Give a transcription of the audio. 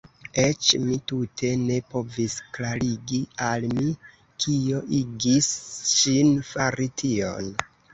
Eĉ mi tute ne povis klarigi al mi kio igis ŝin fari tion.